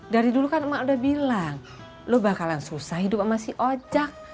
dari dulu kan mak udah bilang lu bakalan susah hidup sama si hojak